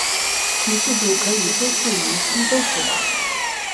其制度可以追溯至西周时期。